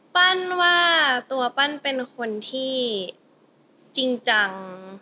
ปั้นว่าตัวปั้นเป็นคนที่จริงจัง